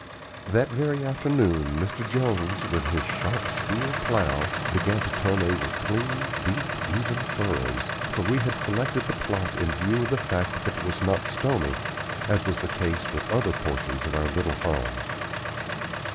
That very afternoon Mr. Jones, with his sharp steel plow, began to turn over clean, deep, even furrows; for we had selected the plot in view of the fact that it was not stony, as was the case with other portions of our little farm.